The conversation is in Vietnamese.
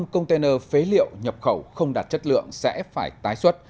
một một trăm linh container phế liệu nhập khẩu không đạt chất lượng sẽ phải tái xuất